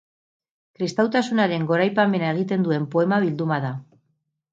Kristautasunaren goraipamena egiten duen poema-bilduma da.